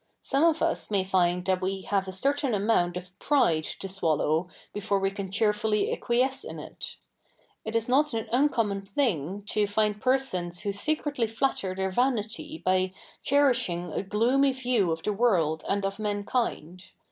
Some of us may fifid that we have a certai?i amount of pride to szvallow before zve can cheerfully acquiesce i?i it. It is not an u7icommofi thi7ig to fi7id pe7'S07is who secretly flatter their vanity by cherishi7ig a gloomy view of the world and of m^ankind.